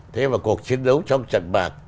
thế mà cuộc chiến đấu trong trận bạc